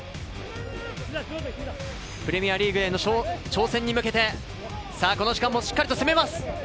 プレミアリーグへの挑戦に向けて、この時もしっかりと攻めます。